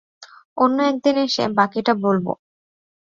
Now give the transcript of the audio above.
অন্য এক দিন এসে বাকিটা বলব।